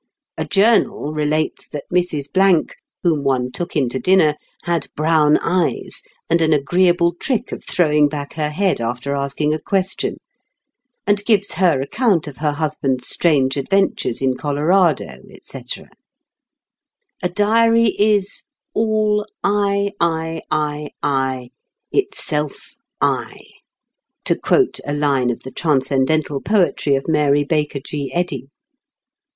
A journal relates that Mrs. , whom one took into dinner, had brown eyes, and an agreeable trick of throwing back her head after asking a question, and gives her account of her husband's strange adventures in Colorado, etc. A diary is All I, I, I, I, itself I (to quote a line of the transcendental poetry of Mary Baker G. Eddy).